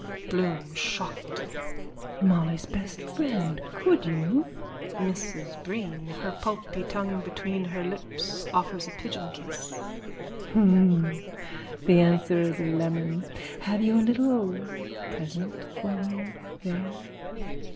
BLOOM: (Shocked.) Molly's best friend! Could you? MRS BREEN: (Her pulpy tongue between her lips, offers a pigeon kiss.) Hnhn. The answer is a lemon. Have you a little present for me there?